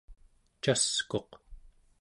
caskuq